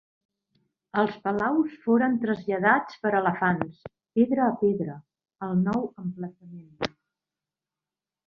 Els palaus foren traslladats per elefants, pedra a pedra, al nou emplaçament.